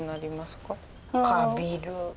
かびるよ。